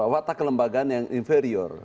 watak kelembagaan yang inferior